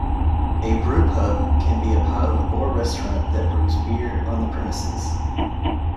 A brewpub can be a pub or restaurant that brews beer on the premises.